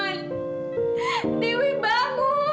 hentikan urusan suara